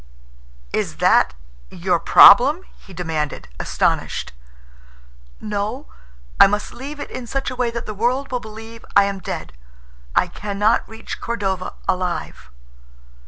"Is that—your problem?" he demanded, astonished. "No. I must leave it in such a way that the world will believe I am dead. I can not reach Cordova alive."